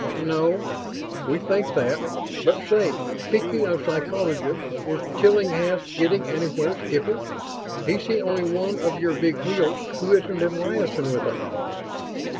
"No. We think that but say, speaking of psychologists, is Tillinghast getting anywhere, Skipper? He's the only one of your big wheels who isn't in liaison with us."